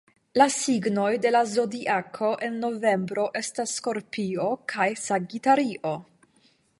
La signoj de la Zodiako en novembro estas Skorpio kaj Sagitario.